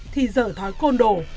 thì dở thói côn đổ